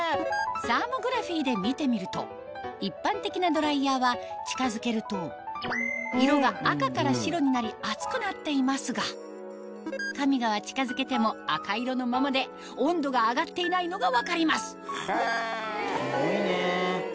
サーモグラフィで見てみると一般的なドライヤーは近づけると色が赤から白になり熱くなっていますがカミガは近づけても赤色のままで温度が上がっていないのが分かりますすごいね。